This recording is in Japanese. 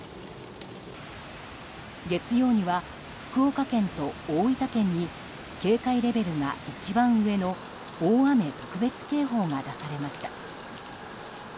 月曜には、福岡県と大分県に警戒レベルが一番上の大雨特別警報が出されました。